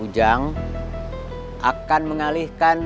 ujang akan mengalihkan